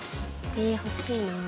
ええ欲しいなあ。